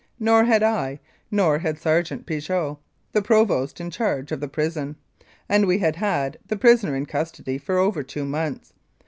Nor had I, nor had Sergeant Piggott (the provost in charge of the prison), and we had had the prisoner in custody for over two months.